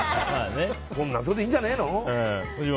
それはそれでいいんじゃねえの？